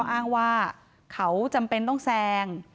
อ้างว่าเขาจำเป็นต้องแซง